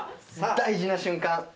大事な瞬間！